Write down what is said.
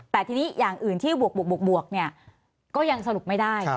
แต่ทีนี้อย่างอื่นที่บวกเนี่ยก็ยังสรุปไม่ได้